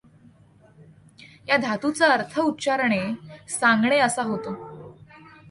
या धातूचा अर्थ उच्चारणे, सांगणे असा होतो.